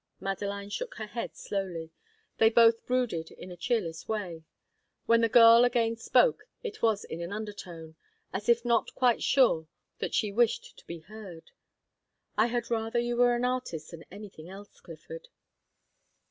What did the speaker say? Madeline shook her head slowly. They both brooded in a cheerless way. When the girl again spoke, it was in an undertone, as if not quite sure that she wished to be heard. "I had rather you were an artist than anything else, Clifford."